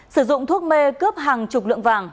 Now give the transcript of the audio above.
sử dụng thuốc mê cướp hàng chục lượng vàng